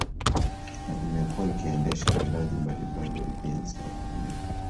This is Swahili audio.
Na imekuwa ikiendesha miradi mbalimbali ya ujenzi maeneo mengi